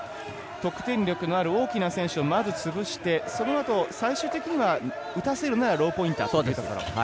得点力のある大きな選手をまず潰して、そのあと最終的には打たせるならローポインターというところ。